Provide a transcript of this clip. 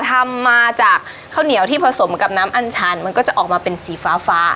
ทำมาจากข้าวเหนียวที่ผสมกับน้ำอัญชันมันก็จะออกมาเป็นสีฟ้าฟ้า